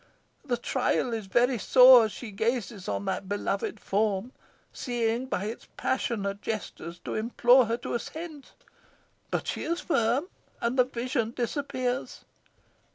The trial is very sore, as she gazes on that beloved form, seeming, by its passionate gestures, to implore her to assent, but she is firm, and the vision disappears.